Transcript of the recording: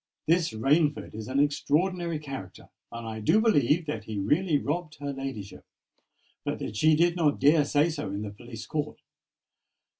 —"This Rainford is an extraordinary character; and I do believe that he really robbed her ladyship, but that she did not dare say so in the police court.